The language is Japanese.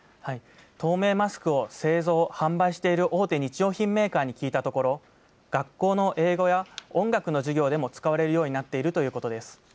透明マスクを製造・販売している大手日用品メーカーに聞いたところ、学校の英語や音楽の授業でも使われるようになっているということです。